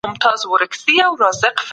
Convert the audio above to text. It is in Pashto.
تنکۍ ولسواکۍ ته لوی زیان ورسول سو.